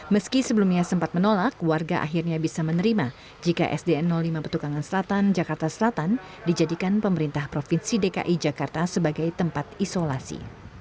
meski sebelumnya sempat menolak warga akhirnya bisa menerima jika sdn lima petukangan selatan jakarta selatan dijadikan pemerintah provinsi dki jakarta sebagai tempat isolasi